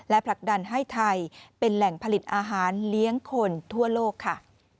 ผลักดันให้ไทยเป็นแหล่งผลิตอาหารเลี้ยงคนทั่วโลกค่ะ